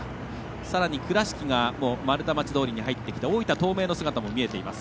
さらに倉敷が丸太町通に入ってきて大分東明の姿も見えています。